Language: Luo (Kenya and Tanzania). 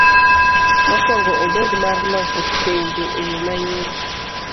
Mokuong'o obed mar loso penjo e yo mayot.